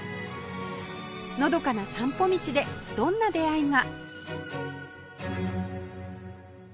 のどかな散歩道でどんな出会いが？